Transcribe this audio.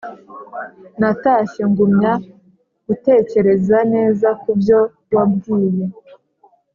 natashye ngumya gutekereza neza kubyo wabwiye